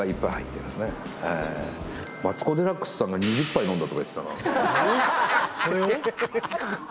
マツコ・デラックスさんが２０杯飲んだとか言ってたな